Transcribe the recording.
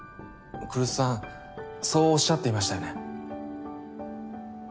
来栖さんそうおっしゃっていましたよね？